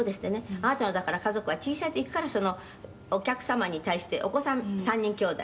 「あなたの家族は小さい時からお客様に対してお子さん３人きょうだい？」